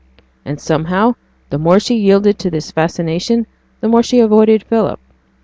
And, somehow, the more she yielded to this fascination the more she avoided Philip.